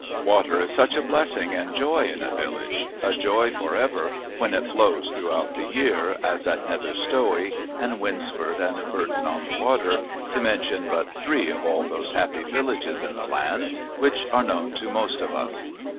Water is such a blessing and joy in a village a joy for ever when it flows throughout the year, as at Nether Stowey and Winsford and Bourton on the Water, to mention but three of all those happy villages in the land which are known to most of us!